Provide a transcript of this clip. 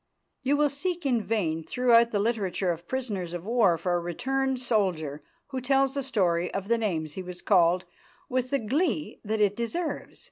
You will seek in vain through the literature of prisoners of war for a returned soldier who tells the story of the names he was called with the glee that it deserves.